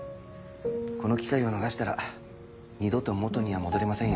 この機会を逃したら二度と元には戻れませんよ。